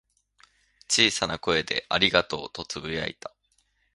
小さな声で「ありがとう」とつぶやいた。